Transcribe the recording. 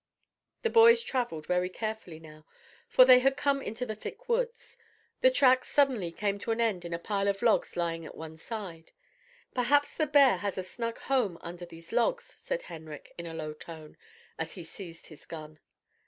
The boys travelled very carefully now, for they had come into the thick woods. The tracks suddenly came to an end at a pile of logs lying at one side. "Perhaps the bear has a snug home under those logs," said Henrik, in a low tone, as he seized his gun.